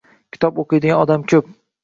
Kitob o‘qiydigan odam ko’p.